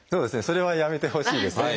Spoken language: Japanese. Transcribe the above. それはやめてほしいですね。